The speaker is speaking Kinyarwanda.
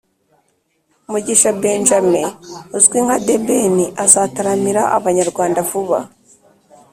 Mugisha benjamin uzwi nka the ben azataramira abanyarwanda vuba